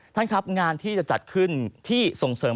ท่านครับงานที่จะจัดขึ้นที่ส่งเสริม